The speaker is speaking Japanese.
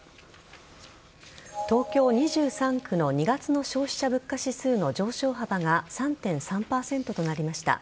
東京２３区の２月の消費者物価指数の上昇幅が３．３％となりました。